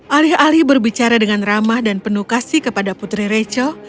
alih alih berbicara dengan ramah dan penuh kasih kepada putri rachel